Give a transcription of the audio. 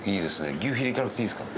牛ヒレいかなくていいんですか？